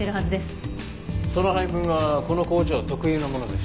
その配分はこの工場特有のものです。